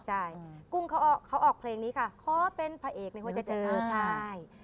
ใช่กุ้งเขาออกเพลงนี้ค่ะขอเป็นพระเอกในหัวใจใช่